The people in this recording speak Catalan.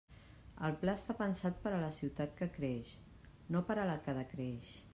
El pla està pensat per a la ciutat que creix, no per a la que decreix.